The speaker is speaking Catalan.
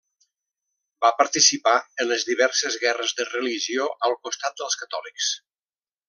Va participar en les diverses guerres de religió, al costat dels catòlics.